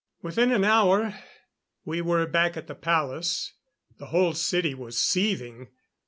Within an hour we were back at the palace. The whole city was seething.